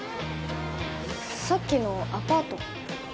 さっきのアパート？